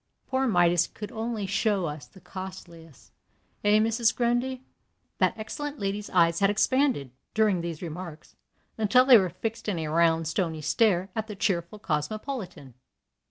Poor Midas could only show us the costliest. Eh, Mrs. Grundy?" That excellent lady's eyes had expanded, during these remarks, until they were fixed in a round, stony stare at the cheerful cosmopolitan.